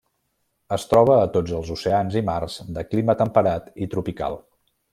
Es troba a tots els oceans i mars de clima temperat i tropical.